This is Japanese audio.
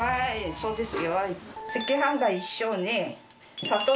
そうです。